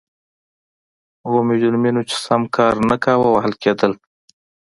هغو مجرمینو چې سم کار نه کاوه وهل کېدل.